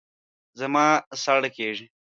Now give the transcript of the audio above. زما ساړه کېږي